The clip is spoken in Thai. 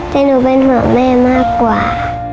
แต่หนูเป็นห่วงแม่มากกว่า